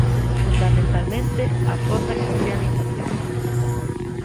Fundamentalmente a fonda cristianización.